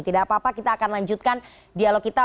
tidak apa apa kita akan lanjutkan dialog kita